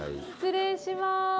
失礼します。